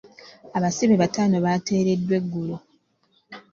Abasibe bataano baateeredwa egulo